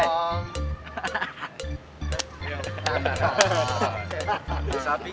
bisa pikir om kembali ke medan kemarin